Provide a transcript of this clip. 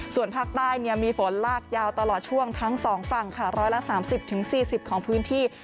ส่วนภาคใต้มีฝนลากยาวตลอดช่วงทั้ง๒ฝั่งค่ะ๑๓๐๔๐ของพื้นที่